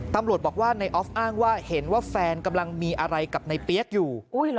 ตำรวจบอกว่าในออฟอ้างว่าเห็นว่าแฟนกำลังมีอะไรกับในเปี๊ยกอยู่